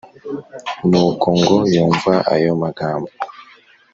Nuko ngo yumve ayo magambo,